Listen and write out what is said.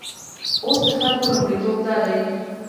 اوس د خلکو لومړیتوب دادی.